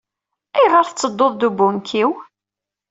Ayɣer tettedduḍ d ubunekkiw.